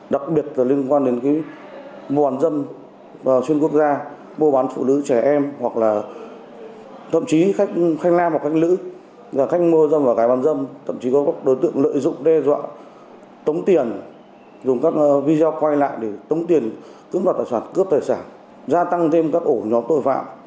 đặc biệt là liên quan đến mua bán dâm xuyên quốc gia mua bán phụ nữ trẻ em hoặc là thậm chí khách nam hoặc khách lữ khách mua bán dâm và gái bán dâm thậm chí có các đối tượng lợi dụng đe dọa tống tiền dùng các video quay lại để tống tiền cướp tài sản cướp tài sản gia tăng thêm các ổ nhóm tội phạm